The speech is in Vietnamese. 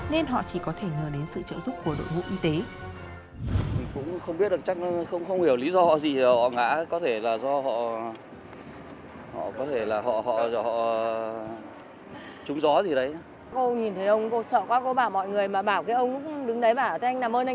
nên họ chỉ có thể ngờ đến sự trợ giúp của đội ngũ y tế